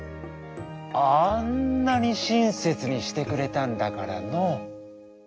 あんなにしんせつにしてくれたんだからのう」。